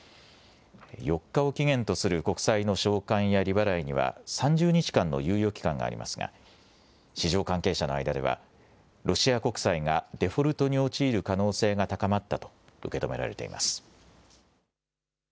４日を期限とする国債の償還や利払いには３０日間の猶予期間がありますが市場関係者の間ではロシア国債がデフォルトに陥る可能性が高まったと受け止められています。